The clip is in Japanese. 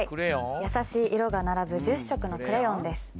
優しい色が並ぶ１０色のクレヨンです